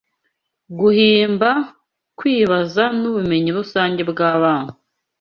guhimba, kwibaza n’ubumenyi rusange bw’abana